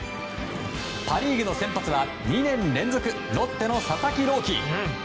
パ・リーグの先発は２年連続、ロッテの佐々木朗希。